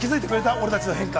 俺たちの変化。